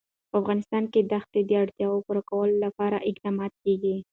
په افغانستان کې د ښتې د اړتیاوو پوره کولو لپاره اقدامات کېږي.